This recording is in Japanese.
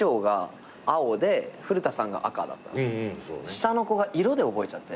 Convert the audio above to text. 下の子が色で覚えちゃって。